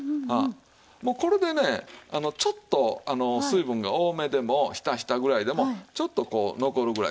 もうこれでねちょっと水分が多めでもひたひたぐらいでもちょっとこう残るぐらい。